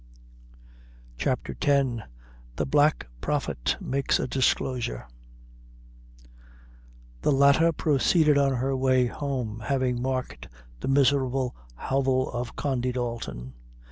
CHAPTER X. The Black Prophet makes a Disclosure. The latter proceeded on her way home, having marked the miserable hovel of Condy Dalton.